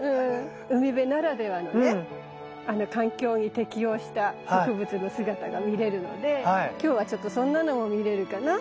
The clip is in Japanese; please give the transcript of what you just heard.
海辺ならではのね環境に適応した植物の姿が見れるので今日はちょっとそんなのも見れるかなと思って期待してるんです。